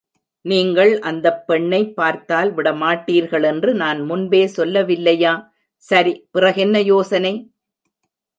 நீங்கள் அந்தப் பெண்ணை பார்த்தால் விடமாட்டீர்களென்று நான் முன்பே சொல்லவில்லையா, சரி, பிறகென்ன யோசனை?